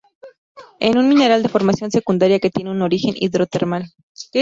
Es un mineral de formación secundaria que tiene un origen hidrotermal.